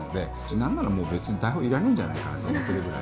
なんなら別に台本もいらないんじゃないかなと思ってるぐらい。